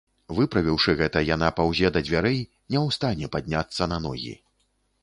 Выправіўшы гэта, яна паўзе да дзвярэй, ня ў стане падняцца на ногі.